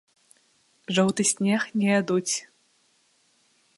Жоўты снег не ядуць.